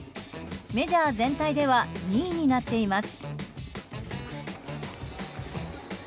メジャー全体では２位になっています。